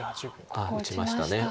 あっ打ちました。